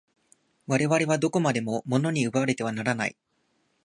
我々はどこまでも物に奪われてはならない。